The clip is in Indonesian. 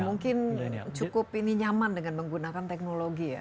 mungkin cukup ini nyaman dengan menggunakan teknologi ya